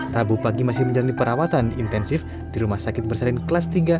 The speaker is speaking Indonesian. rabu pagi masih menjalani perawatan intensif di rumah sakit bersalin kelas tiga